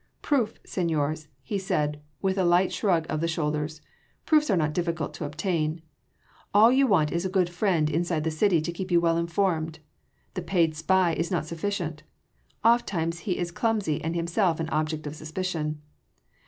"Proofs, seigniors," he said with a light shrug of the shoulders, "proofs are not difficult to obtain. All you want is a good friend inside a city to keep you well informed. The paid spy is not sufficient oft times he is clumsy and himself an object of suspicion.